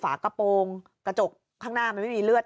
ฝากระโปรงกระจกข้างหน้ามันไม่มีเลือด